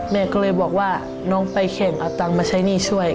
แม่ก็เลยบอกว่าน้องไปแข่งเอาตังค์มาใช้หนี้ช่วย